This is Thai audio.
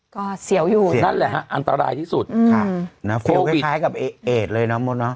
โควิดอันตรายคล้ายกับเอดเลยเนาะมุดเนาะ